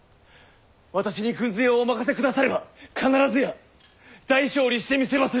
私に軍勢をお任せくだされば必ずや大勝利してみせまする！